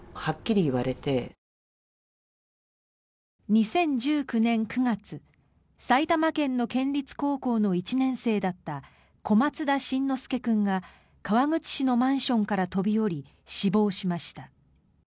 ２０１９年９月埼玉県の県立高校の１年生だった小松田辰乃輔君が川口市のマンションから飛び降り死亡しました。